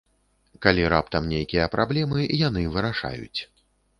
Калі раптам нейкія праблемы, яны вырашаюць.